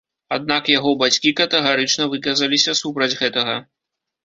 Аднак яго бацькі катэгарычна выказаліся супраць гэтага.